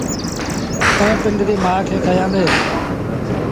ائيٚݩ پنڊريٚ مآئيٚ کي ڪهيآندي۔